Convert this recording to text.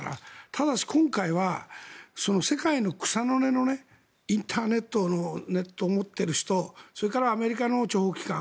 ただし、今回は世界の草の根のインターネットを持っている人それからアメリカの諜報機関